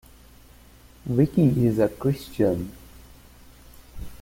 Vicky is a Christian.